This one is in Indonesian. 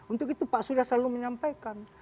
untuk itu pak surya selalu menyampaikan